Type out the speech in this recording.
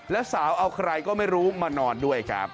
แล้วสาวเอาใครก็ไม่รู้มานอนด้วยครับ